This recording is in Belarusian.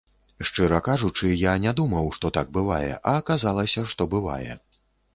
Шчыра кажучы, я не думаў, што так бывае, а аказалася, што бывае.